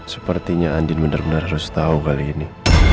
sepertinya andien bener bener harus tau kali ini